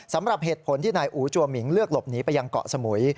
สำหรับเหตุผลที่นายอู๋จัวหมิงเลือกหลบหนีไปยังเกาะสมุย